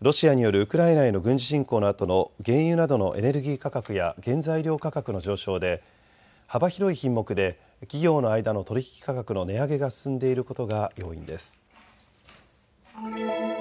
ロシアによるウクライナへの軍事侵攻のあとの原油などのエネルギー価格や原材料価格の上昇で幅広い品目で企業の間の取引価格の値上げが進んでいることが要因です。